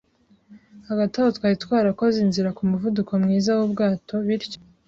Hagati aho twari twarakoze inzira ku muvuduko mwiza w'ubwato bityo